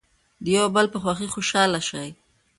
د یو بل په خوښۍ خوشحاله شئ.